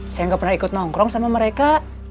saya nggak pernah ikut nongkrong sama mereka